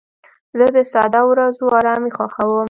زه د ساده ورځو ارامي خوښوم.